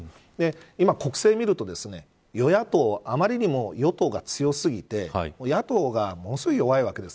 今、国政を見ると与野党はあまりにも与党が強すぎて野党がものすごい弱いわけです。